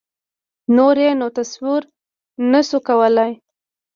نور یې نو تصور نه شو کولای.